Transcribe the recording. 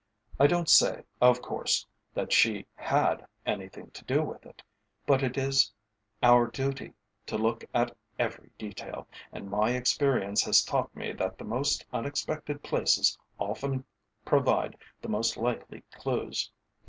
I don't say, of course, that she had anything to do with it, but it is our duty to look after every detail, and my experience has taught me that the most unexpected places often provide the most likely clues.